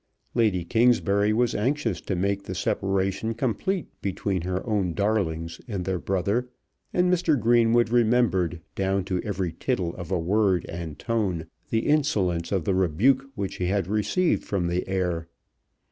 Lady Kingsbury was anxious to make the separation complete between her own darlings and their brother, and Mr. Greenwood remembered, down to every tittle of a word and tone, the insolence of the rebuke which he had received from the heir.